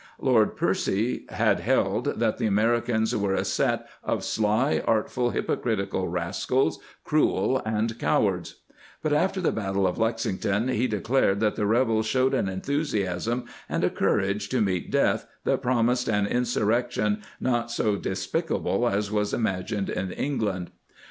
^ Lord Percy had held that the Americans were " a set of sly, artful, hypocritical rascals, cruel, and cowards," * but after the battle of Lexington he declared that the rebels showed an enthusiasm and a courage to meet death that proniised_an insurrejction not so despicable as was^ imagined in England.